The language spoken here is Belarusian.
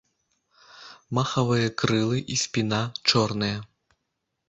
Махавыя крылы і спіна чорныя.